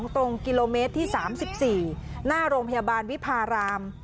ตรงกิโลเมตรที่๓๔หน้าโรงพยาบาลวิพาราม